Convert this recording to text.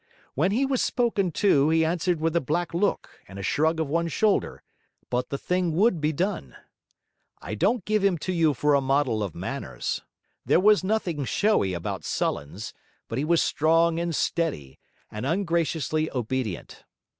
When he was spoken to, he answered with a black look and a shrug of one shoulder, but the thing would be done. I don't give him to you for a model of manners; there was nothing showy about Sullens; but he was strong and steady, and ungraciously obedient.